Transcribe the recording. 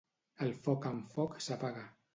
El foc amb foc s'apaga.